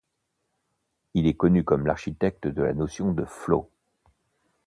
Il est connu comme l'architecte de la notion de flow.